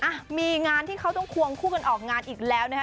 อ่ะมีงานที่เขาต้องควงคู่กันออกงานอีกแล้วนะคะ